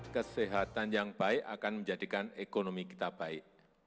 kesehatan yang baik akan menjadikan ekonomi kita baik